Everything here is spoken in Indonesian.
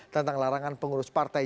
tentang larangan pengurus partai